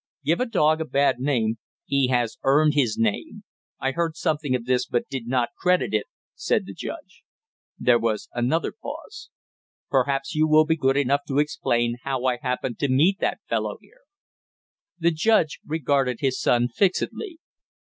"Give a dog a bad name " "He has earned his name. I had heard something of this but did not credit it!" said the judge. There was another pause. "Perhaps you will be good enough to explain how I happen to meet that fellow here?" The judge regarded his son fixedly.